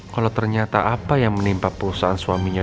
kalau ternyata apa yang menimpa perusahaan suaminya